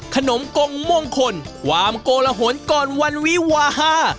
ขนมกงม่วงคนความโกลหละหนก่อนวันวีวาห้า